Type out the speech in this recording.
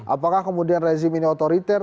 apakah kemudian rezim ini otoriter